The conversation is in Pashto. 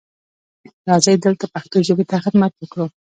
راځئ دلته پښتو ژبې ته خدمت وکړو.